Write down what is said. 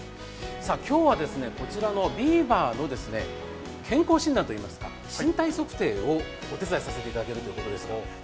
今日はこちらのビーバーの健康診断といいますか身体測定をお手伝いさせていただけるということです。